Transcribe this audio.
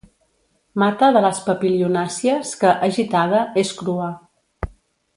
Mata de les papilionàcies que, agitada, és crua.